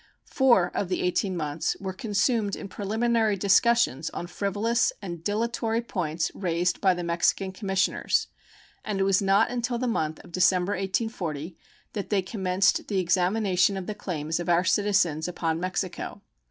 Four of the eighteen months were consumed in preliminary discussions on frivolous and dilatory points raised by the Mexican commissioners, and it was not until the month of December, 1840, that they commenced the examination of the claims of our citizens upon Mexico.